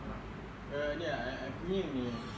เออเนี่ยนี่เนี่ย